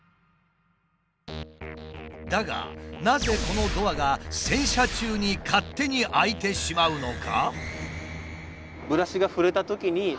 だがなぜこのドアが洗車中に勝手に開いてしまうのか？